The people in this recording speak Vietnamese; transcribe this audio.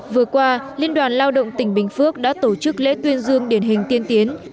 vừa qua liên đoàn lao động tỉnh bình phước đã tổ chức lễ tuyên dương điển hình tiên tiến